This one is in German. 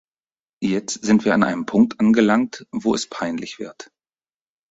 Jetzt sind wir an einem Punkt angelangt, wo es peinlich wird.